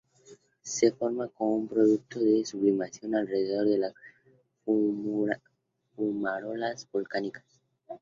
Se forma como un producto de sublimación alrededor de las fumarolas volcánicas.